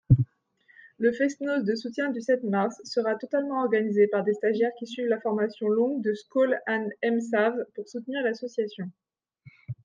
Le fest-noz de soutien du sept mars sera totalement organisé par des stagiaires qui suivent la formation longue de Skol an Emsav, pour soutenir l’association.